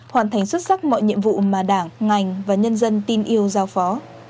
hoàn thành xuất sắc mọi nhiệm vụ mà đảng ngành và nhân dân tin yêu giao phó